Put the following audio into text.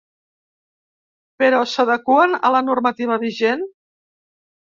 Però, s’adeqüen a la normativa vigent?